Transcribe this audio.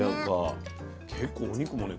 結構お肉もね